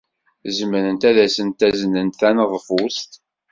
Zemrent ad asen-aznent taneḍfust?